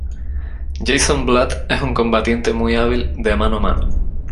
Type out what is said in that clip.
Jason Blood es un combatiente muy hábil de mano a mano.